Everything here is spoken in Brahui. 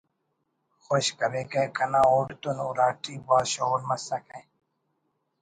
خوش کریکہ کنا اوڑ تون اُوراٹی بھاز شغل مسکہ